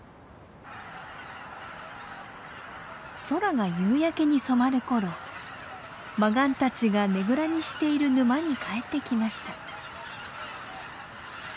空が夕焼けに染まる頃マガンたちがねぐらにしている沼に帰ってきました。